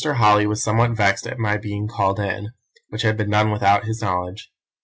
Holly was somewhat vexed at my being called in, which had been done without his knowledge.